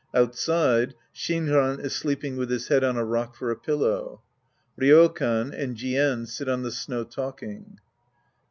Outside, Shinran is sleeping with his head on a rock for a pillow. RySkan and Jien sit on the snow talking!)